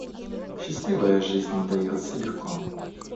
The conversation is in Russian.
Счастливая жизнь не дается легко.